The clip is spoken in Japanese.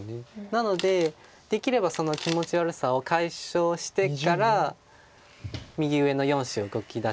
なのでできればその気持ち悪さを解消してから右上の４子を動き出したい。